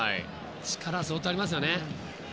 力は相当ありますよね。